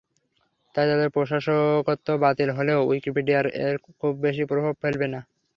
তাই তাদের প্রশাসকত্ব বাতিল হলেও উইকিপিডিয়ায় এর খুব বেশি প্রভাব ফেলবে না।